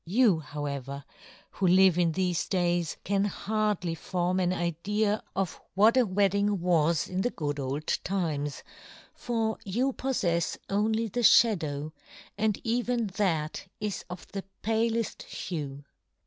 You, however, who Uve in thefe days, can hardly form an idea of what a wed ding was in the good old times, for you poffefs only the fhadow, and even that is of the paleft hue.